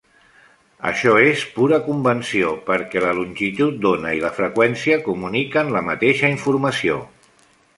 Això és pura convenció perquè la longitud d'ona i la freqüència comuniquen la mateixa informació.